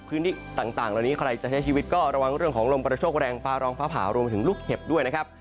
พื้นที่ต่างเหล่านี้ใครจะใช้ชีวิตก็ระวังเรื่องของลมกระโชคแรงฟ้าร้องฟ้าผ่ารวมถึงลูกเห็บด้วยนะครับ